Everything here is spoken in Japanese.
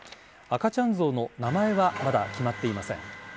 赤ちゃんゾウの名前はまだ決まっていません。